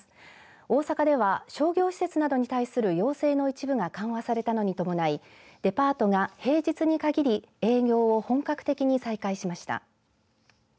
大阪では、商業施設などに対する要請の一部が緩和されたのに伴い、デパートが平日に限り、営業を本格的に再開しました。